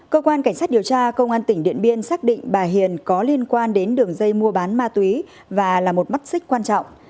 cơ quan cảnh sát điều tra công an tỉnh điện biên xác định bà hiền có liên quan đến đường dây mua bán ma túy và là một mắt xích quan trọng